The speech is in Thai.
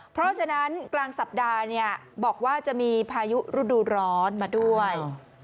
เพราะฉะนั้นกลางสัปดาห์บอกว่าจะมีพายุฤดูร้อนมาด้วย